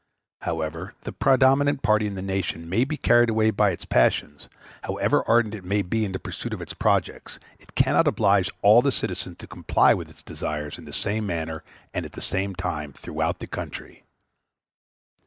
However the predominant party in the nation may be carried away by its passions, however ardent it may be in the pursuit of its projects, it cannot oblige all the citizens to comply with its desires in the same manner and at the same time throughout the country.